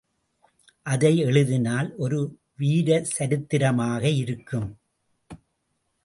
அதை எழுதினால் ஒரு வீரசரித்திரமாக இருக்கும்.